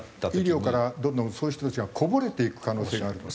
医療からどんどんそういう人たちがこぼれていく可能性があると。